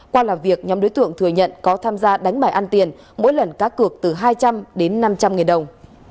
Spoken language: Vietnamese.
qua làm việc nhóm đối tượng thừa nhận có tham gia đánh bài ăn tiền mỗi lần cá cược từ hai trăm linh đến năm trăm linh nghìn đồng